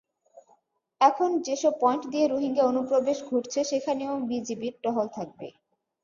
এখন যেসব পয়েন্ট দিয়ে রোহিঙ্গা অনুপ্রবেশ ঘটছে, সেখানেও বিজিবির টহল থাকবে।